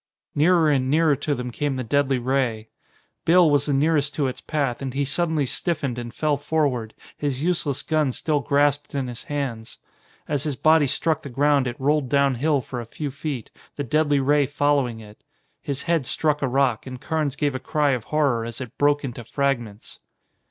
Nearer and nearer to them came the deadly ray. Bill was the nearest to its path, and he suddenly stiffened and fell forward, his useless gun still grasped in his hands. As his body struck the ground it rolled down hill for a few feet, the deadly ray following it. His head struck a rock, and Carnes gave a cry of horror as it broke into fragments.